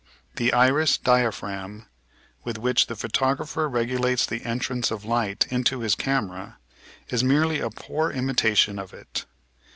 The "iris diaphragm" with which the photographer regulates the entrance of light into his camera is merely a poor imitation of it.